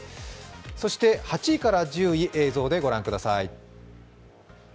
そして８位から１０位、映像で御覧ください。